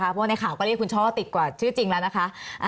เพราะในข่าวก็เรียกคุณช่อติดกว่าชื่อจริงแล้วนะคะ